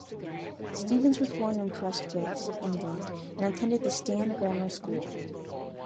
Stevens was born in Prestwich, England, and attended the Stand Grammar School.